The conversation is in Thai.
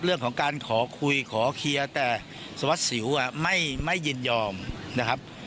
เรื่องของการขอคุยขอเคลียร์แต่สวัสดิสิวไม่ยินยอมนะครับ